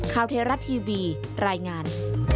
ข่าวเทราะห์ทีวีรายงาน